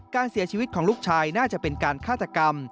การเสียชีวิตของลูกชายน่าจะเป็นการฆาตกรรม